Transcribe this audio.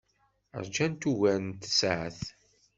Ṛjant ugar n tsaɛet.